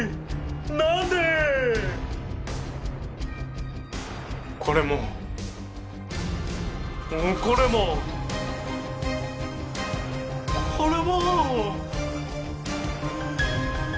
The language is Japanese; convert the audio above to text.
なんで⁉これも！これも！これも！